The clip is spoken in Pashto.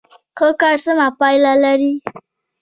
ښه کار سمه پایله لري.